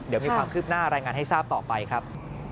เดี๋ยวมีความคืบหน้ารายงานให้ทราบต่อไปครับ